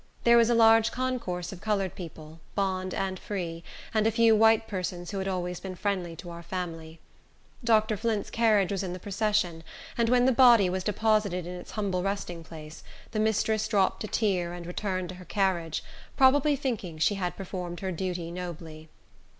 There was a large concourse of colored people, bond and free, and a few white persons who had always been friendly to our family. Dr. Flint's carriage was in the procession; and when the body was deposited in its humble resting place, the mistress dropped a tear, and returned to her carriage, probably thinking she had performed her duty nobly.